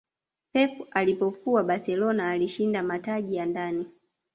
pep alipokuwa barcelona alishinda mataji ya ndani